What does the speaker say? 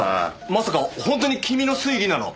まさか本当に君の推理なの？